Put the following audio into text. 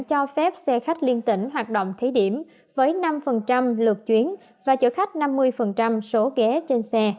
cho phép xe khách liên tỉnh hoạt động thí điểm với năm lượt chuyến và chở khách năm mươi số ghế trên xe